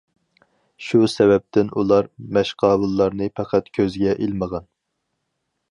شۇ سەۋەبتىن ئۇلار مەشقاۋۇللارنى پەقەت كۆزگە ئىلمىغان.